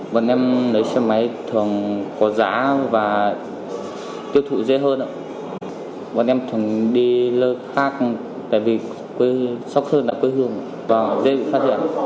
bọn em thường đi lớp khác tại vì sốc hơn là quê hương và dễ bị phát hiện